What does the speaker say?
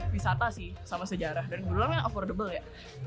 wisata sih sama sejarah dan kebetulan kan affordable ya